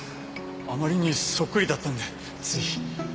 あまりにそっくりだったんでつい。